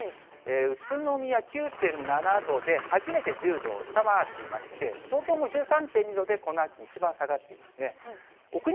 宇都宮９．７度で、初めて１０度を下回っていまして、東京も１３．２度でこの秋一番下がっていますね。